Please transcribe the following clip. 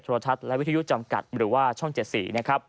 รทัศน์และวิทยุจำกัดหรือว่าช่อง๗๔นะครับ